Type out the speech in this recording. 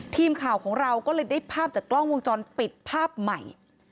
ทีมข่าวของเราก็เลยได้ภาพจากกล้องวงจรปิดภาพใหม่